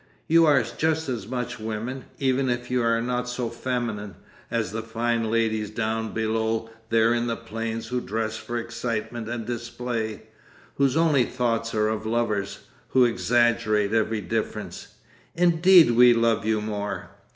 You are just as much women, even if you are not so feminine, as the fine ladies down below there in the plains who dress for excitement and display, whose only thoughts are of lovers, who exaggerate every difference.... Indeed we love you more.